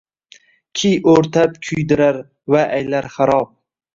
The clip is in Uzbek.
Ki o’rtab kuydirar va aylar xarob!